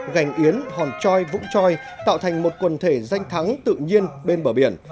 gành yến hòn troi vũng troi tạo thành một quần thể danh thắng tự nhiên bên bờ biển